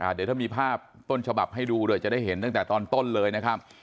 เดี๋ยวถ้ามีภาพต้นฉบับให้ดูด้วยจะได้เห็นตั้งแต่ตอนต้นเลยนะครับ